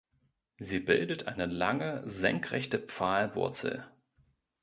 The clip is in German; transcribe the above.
Sie bildet eine lange, senkrechte Pfahlwurzel.